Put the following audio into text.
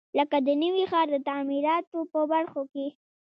لکه د نوي ښار د تعمیراتو په برخو کې.